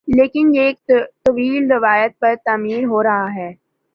لیکن یہ ایک طویل روایت پر تعمیر ہو رہا ہے